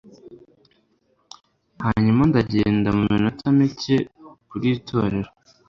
hanyuma ndagenda muminota mike kuriitorero